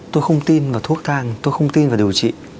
tôi không tin vào thuốc thang tôi không tin vào điều trị